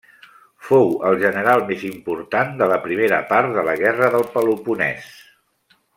Fou el general més important de la primera part de la Guerra del Peloponès.